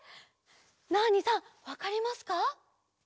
ナーニさんわかりますか？